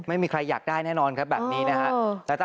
ไม่มีใครอยากได้แน่นอนครับแบบนี้นะฮะ